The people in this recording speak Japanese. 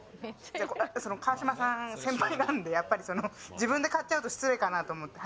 川島さん、先輩なんでやっぱり自分で買っちゃうと失礼かなと思って。